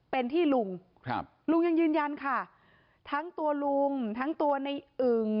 เป็นที่ลุงครับลุงยังยืนยันค่ะทั้งตัวลุงทั้งตัวในอึ่ง